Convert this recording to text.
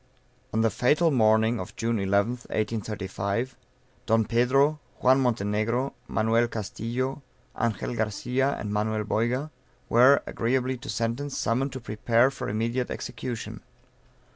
On the fatal morning of June 11th, 1835, Don Pedro, Juan Montenegro, Manuel Castillo, Angel Garcia and Manuel Boyga, were, agreeably to sentence, summoned to prepare for immediate execution.